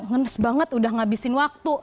ngenes banget udah ngabisin waktu